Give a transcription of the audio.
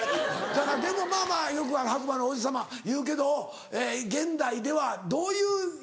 だからでもまぁまぁよく白馬の王子様いうけど現代ではどういう人が？